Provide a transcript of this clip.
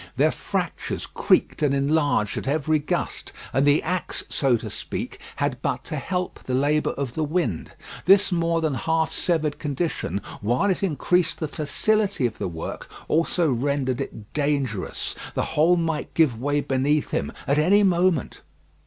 Their fractures creaked and enlarged at every gust, and the axe, so to speak, had but to help the labour of the wind. This more than half severed condition, while it increased the facility of the work, also rendered it dangerous. The whole might give way beneath him at any moment.